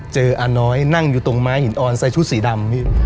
อาน้อยนั่งอยู่ตรงไม้หินอ่อนใส่ชุดสีดำพี่